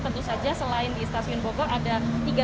tentu saja selain di stasiun bogor ada